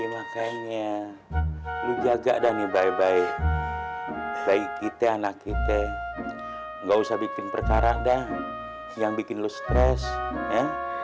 ya makanya lu jaga dan bye bye baik kita anak kita enggak usah bikin perkara dah yang bikin lu stres ya